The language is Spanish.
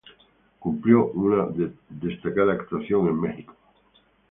Cumplió una destacada actuación en Mexico.